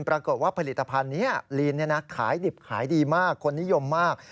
ปรากฏว่าผลิตภัณฑ์นี้ลีนขายดิบขายดีมากคนนิยมมาก